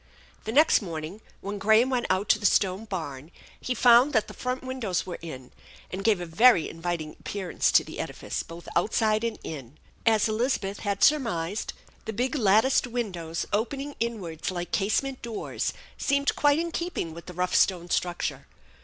The next morning, when Graham went out to the stone barn, he found that the front windows were in, and gave a very inviting appearance to the edifice, both outside and in. As Elizabeth had surmised, the big latticed windows opening inwards like casement doors seemed quite in keeping with the rough stone structure.